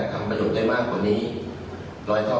การเงินมันมีฝ่ายฮะ